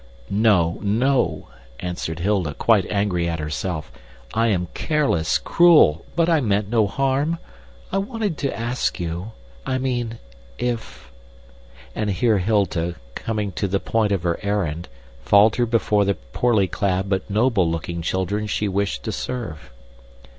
"No, no," answered Hilda, quite angry at herself. "I am careless, cruel, but I meant no harm. I wanted to ask you I mean, if " And here Hilda, coming to the point of her errand, faltered before the poorly clad but noble looking children she wished to serve.